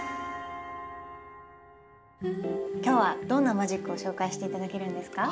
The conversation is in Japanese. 今日はどんなマジックを紹介して頂けるんですか？